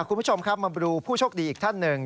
คุณผู้ชมครับมาดูผู้โชคดีอีกท่านหนึ่ง